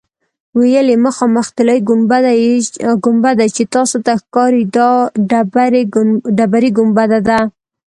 ویل یې مخامخ طلایي ګنبده چې تاسو ته ښکاري دا ډبرې ګنبده ده.